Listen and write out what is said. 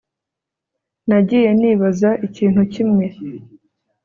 Nagiye nibaza ikintu kimwe